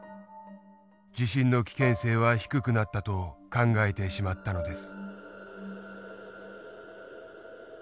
地震の危険性は低くなったと考えてしまったのです。